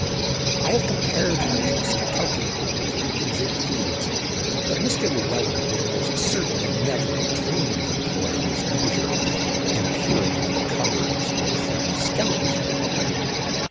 I have compared him to Mr. Tulkinghorn of Lincoln's Inn Fields; but Mr. Llewelyn would most certainly never have dreamed of employing his leisure in peering into the cupboards where the family skeletons were hidden.